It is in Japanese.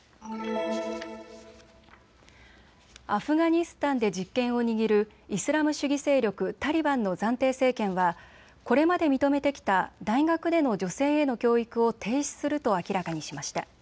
アフガニスタンで実権を握るイスラム主義勢力タリバンの暫定政権はこれまで認めてきた大学での女性への教育を停止すると明らかにしました。